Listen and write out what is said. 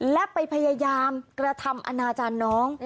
และไปพยายามกระทำอนาจารย์น้อง